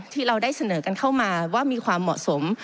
ที่เราได้เสนอกันเข้ามาว่ามีความเหมาะสม